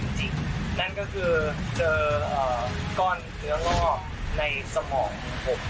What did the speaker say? ไซส์จริงคือเกือบเท่าลูกเทนนิต